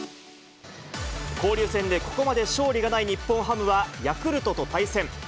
交流戦でここまで勝利がない日本ハムは、ヤクルトと対戦。